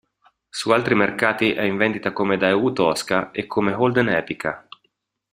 Su altri mercati è in vendita come Daewoo Tosca e come Holden Epica.